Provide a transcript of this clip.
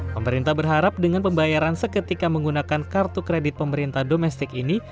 pemerintah berharap dengan pembayaran seketika menggunakan kartu kredit pemerintah domestik ini